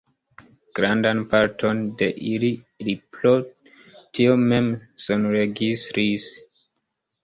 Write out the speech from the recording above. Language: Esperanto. Grandan parton de ili li pro tio mem sonregistris.